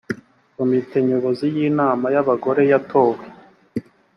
komite nyobozi y’inama abagore yatowe